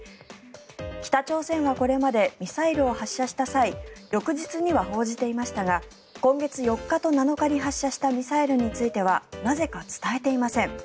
北朝鮮はこれまでミサイルを発射した際翌日には報じていましたが今月４日と７日に発射したミサイルについてはなぜか伝えていません。